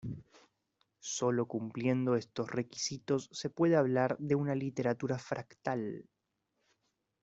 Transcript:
Sólo cumpliendo estos requisitos se puede hablar de una literatura fractal.